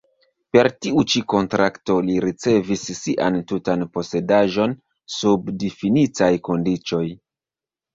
Per tiu ĉi kontrakto li ricevis sian tutan posedaĵon sub difinitaj kondiĉoj.